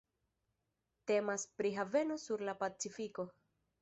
Temas pri haveno sur la Pacifiko.